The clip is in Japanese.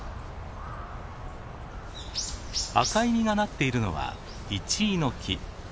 赤い実がなっているのはイチイの木。